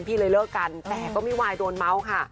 พี่เลยเลิกกันแต่ก็ไม่วายโดนเมาส์ค่ะ